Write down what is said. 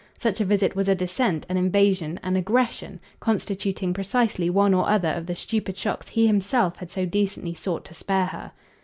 Such a visit was a descent, an invasion, an aggression, constituting precisely one or other of the stupid shocks he himself had so decently sought to spare her.